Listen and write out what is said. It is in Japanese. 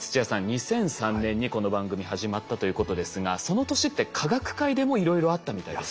２００３年にこの番組始まったということですがその年って科学界でもいろいろあったみたいですね。